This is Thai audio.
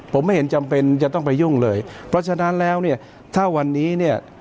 ผมไม่เห็นจำเป็นจะต้องไปยุ่งเลยเพราะฉะนั้นแล้วเนี่ยถ้าวันนี้เนี่ย